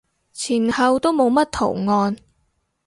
前後都冇乜圖案